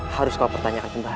harus kau pertanyakan kembali